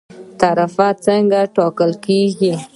تعرفه څنګه ټاکل کیږي؟